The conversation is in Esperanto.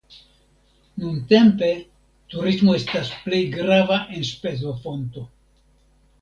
Nuntempe turismo estas plej grava enspezofonto.